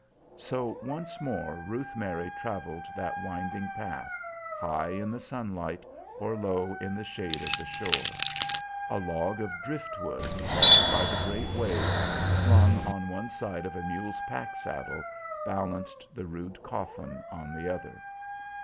So once more Ruth Mary traveled that winding path, high in the sunlight or low in the shade of the shore. A log of driftwood, left by the great wave, slung on one side of a mule's pack saddle, balanced the rude coffin on the other.